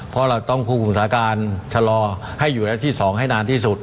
เพราะเราต้องคุมสถานการณ์ชะลอให้อยู่ระยะที่๒ให้นานที่สุด